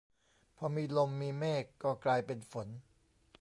พอมีลมมีเมฆก็กลายเป็นฝน